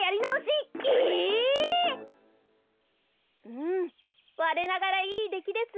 うんわれながらいいできです。